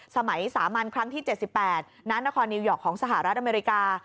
สมัยสามัญครั้งที่๗๘นนนของสหรัฐอเมริกา